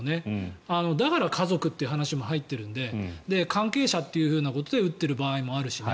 だから、家族っていう話も入っているので関係者ということで打っている場合もあるしね。